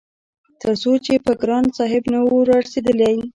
تر څو چې به ګران صاحب نه وو رارسيدلی-